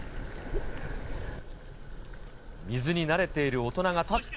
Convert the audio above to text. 水に慣れている大人が立って